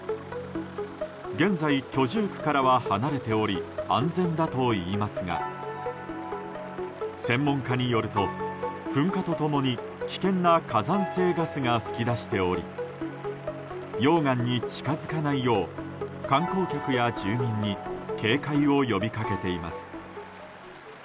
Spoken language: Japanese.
現在、居住区からは離れており安全だといいますが専門家によると、噴火と共に危険な火山性ガスが噴き出しており溶岩に近づかないよう観光客や住民に警戒を呼びかけています。